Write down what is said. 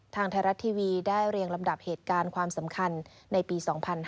ทางไทยรัฐทีวีได้เรียงลำดับเหตุการณ์ความสำคัญในปี๒๕๕๙